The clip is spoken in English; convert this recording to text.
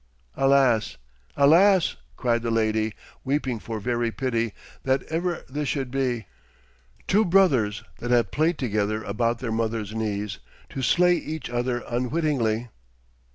'Alas! alas!' cried the lady, weeping for very pity, 'that ever this should be. Two brothers that have played together about their mother's knees to slay each other unwittingly!'